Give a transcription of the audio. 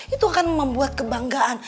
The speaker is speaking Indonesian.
itu akan membuat kebanggaan